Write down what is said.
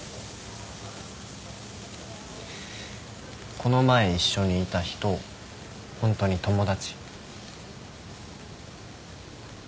この前一緒にいた人ホントに友達？